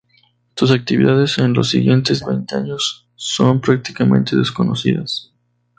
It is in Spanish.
Sus actividades en los siguientes veinte años son prácticamente desconocidas.